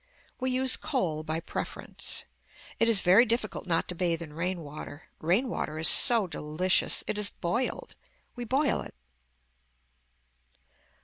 We use coal by preference. It is very difficult not to bathe in rain water. Rain water is so delicious. It is boiled. We boil it.